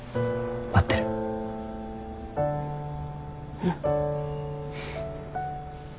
うん。